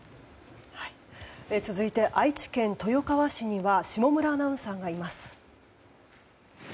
続いて、愛知県豊川市には下村アナウンサーがいます。